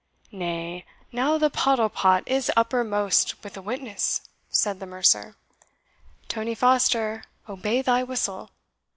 "Nay, now the pottle pot is uppermost, with a witness!" said the mercer. "Tony Foster obey thy whistle!